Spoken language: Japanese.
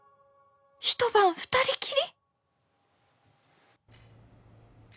一晩二人きり？